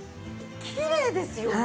きれいですよね。